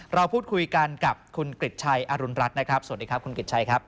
เราพูดคุยกันกับคุณกริจชัยอรุณรัฐนะครับสวัสดีครับคุณกริจชัยครับ